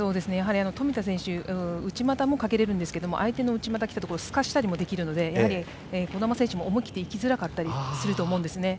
冨田選手は内股もかけられるんですが相手の内股きたところをすかしたりもできるので児玉選手も思い切って行きづらかったと思います。